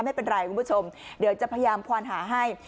ไม่เป็นไรคุณผู้ชมเดี๋ยวจะพยายามควานหาให้